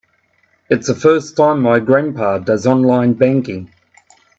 It's the first time my grandpa does online banking.